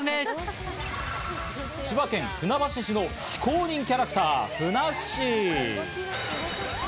千葉県船橋市の非公認キャラクター・ふなっしー。